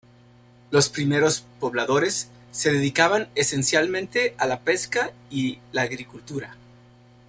Los primeros pobladores se dedicaban esencialmente a la pesca y la agricultura.